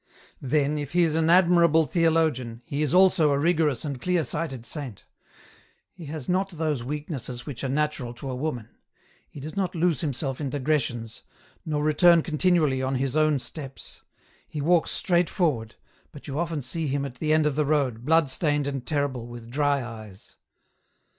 "Then if he is an admirable theologian, he is also a rigorous and clear sighted saint. He has not those weak nesses which are natural to a woman ; he does not lose himself in digressions, nor return continually on his own steps ; he walks straight forward, but you often see him at the end of the road, blood stained and terrible, with dry eyes."